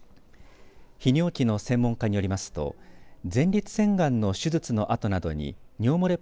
泌尿器の専門家によりますと前立腺がんの手術のあとなどに尿漏れ